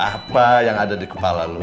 apa yang ada di kepala lo